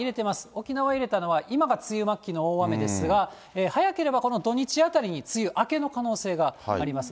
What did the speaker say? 沖縄入れたのは、今が梅雨末期の大雨ですが、早ければこの土日あたりに、梅雨明けの可能性があります。